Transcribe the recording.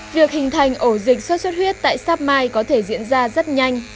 việc hình thành ổ dịch sốt xuất huyết tại sáp mai có thể diễn ra rất nhanh